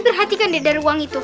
perhatikan deh dari uang itu